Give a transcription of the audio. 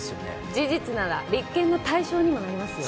事実なら立件の対象にもなりますよ